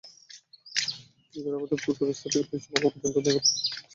ইজারাদারেরা ফুল অবস্থা থেকে লিচু পাকা পর্যন্ত গাছগুলো নিজ দায়িত্বে রক্ষণাবেক্ষণ করেন।